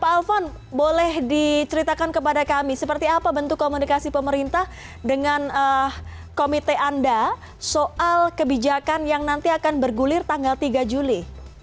pak alfon boleh diceritakan kepada kami seperti apa bentuk komunikasi pemerintah dengan komite anda soal kebijakan yang nanti akan bergulir tanggal tiga juli